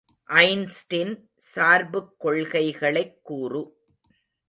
Einstein சார்புக் கொள்கைகளைக் கூறு.